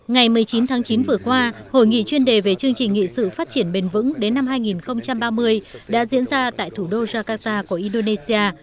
ngày một mươi chín tháng chín vừa qua hội nghị chuyên đề về chương trình nghị sự phát triển bền vững đến năm hai nghìn ba mươi đã diễn ra tại thủ đô jakarta của indonesia